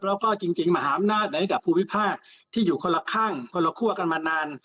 แล้วก็จริงมหาอำนาจในระดับภูมิภาคที่อยู่คนละข้างคนละคั่วกันมานาน